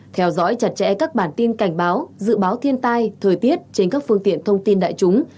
theo dõi chặt chẽ các bản tin cảnh báo dự báo thiên tai thời tiết trên các phương tiện thông tin đại chúng